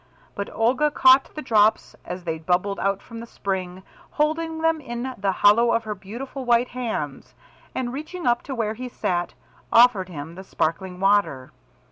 But Olga caught the drops as they bubbled out from the spring, holding them in the hollow of her beautiful white hands, and reaching up to where he sat, offered him the sparkling water.